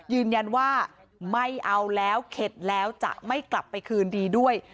ยืนยันว่าไม่เอาแล้วเข็ดแล้วจะไม่กลับไปคืนดีด้วย